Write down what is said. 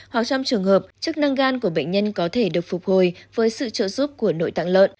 hoặc trong trường hợp chức năng gan của bệnh nhân có thể được phục hồi với sự trợ giúp của nội tạng lợn